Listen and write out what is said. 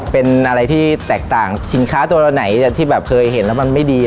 เป็นอะไรที่แตกต่างสินค้าตัวไหนที่แบบเคยเห็นแล้วมันไม่ดี